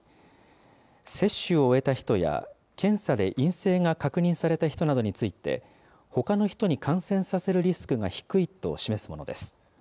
接種を終えた人や、検査で陰性が確認された人などについて、ほかの人に感染させるリスクが低いと示すものです。